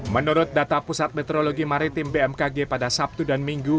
menurut data pusat meteorologi maritim bmkg pada sabtu dan minggu